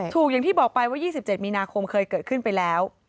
อย่างที่บอกไปว่า๒๗มีนาคมเคยเกิดขึ้นไปแล้ว